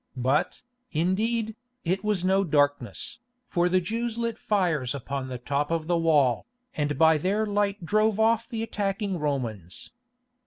But, indeed, it was no darkness, for the Jews lit fires upon the top of the wall, and by their light drove off the attacking Romans.